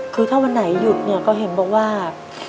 คือถ้าวันไหนหยุดเนี่ยก็เห็นบอกว่า